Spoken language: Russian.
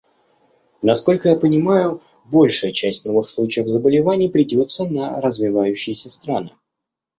Насколько я понимаю, большая часть новых случаев заболеваний придется на развивающиеся страны.